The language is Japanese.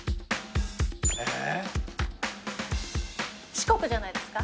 四国じゃないですか？